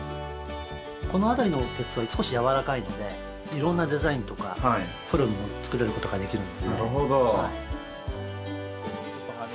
この辺りの鉄は少しやわらかいのでいろんなデザインとかフォルムを作れることができるんですね。